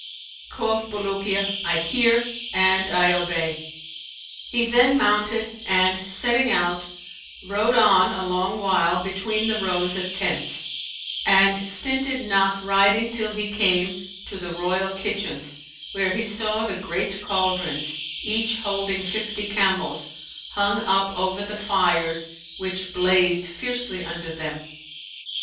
Quoth Bulukiya, 'I hear and I obey;' he then mounted and setting out, rode on a long while between the rows of tents; and stinted not riding till he came to the royal kitchens where he saw the great cauldrons, each holding fifty camels, hung up over the fires which blazed fiercely under them.